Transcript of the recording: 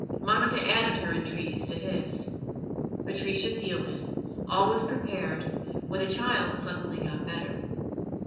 Monica added her entreaties to his. Patricius yielded. All was prepared, when the child suddenly got better.